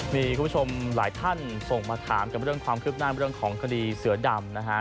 มีคุณผู้ชมหลายท่านส่งมาถามกับเรื่องความคืบหน้าเรื่องของคดีเสือดำนะฮะ